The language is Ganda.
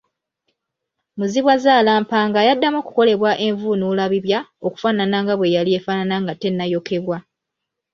Muzibwazaalampanga yaddamu okukolebwa envuunulabibya okufaanana nga bwe yali efaanana nga tennayokebwa.